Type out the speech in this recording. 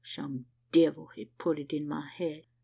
Some devil hed put it in my head.